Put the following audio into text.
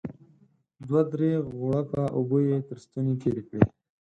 دوه درې غوړپه اوبه يې تر ستوني تېرې کړې.